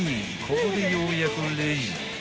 ここでようやくレジへ］